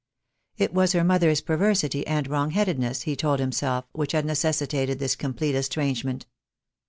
It was her mother's per versity and wrongheadedness, he told himself, which had necessitated this complete estrangement.